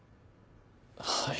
はい。